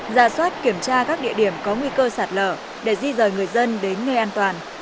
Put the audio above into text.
ra soát kiểm tra các địa điểm có nguy cơ sạt lở để di rời người dân đến nơi an toàn